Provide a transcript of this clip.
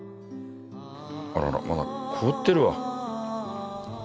あららまだ凍ってるわ。